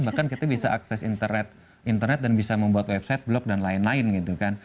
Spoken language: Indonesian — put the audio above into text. bahkan kita bisa akses internet dan bisa membuat website blog dan lain lain gitu kan